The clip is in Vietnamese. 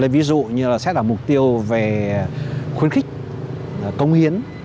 ví dụ như là xét là mục tiêu về khuyến khích công hiến